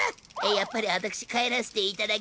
やっぱり私帰らせていただき。